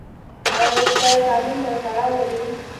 ایا روغتیا د تعلیم سره تړاو لري؟